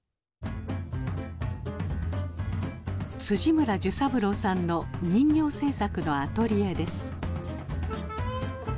村寿三郎さんの人形制作のアトリエです。